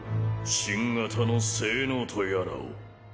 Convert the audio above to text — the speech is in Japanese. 新型の性能とやらを。